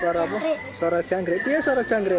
suara apa suara jangkrik iya suara jangkrik